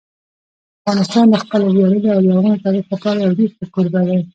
افغانستان د خپل ویاړلي او لرغوني تاریخ لپاره یو ډېر ښه کوربه دی.